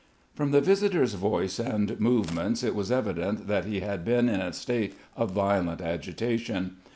From the visitor's voice and movements it was evident that he had been in a state of violent agitation.